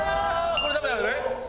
これダメだよね？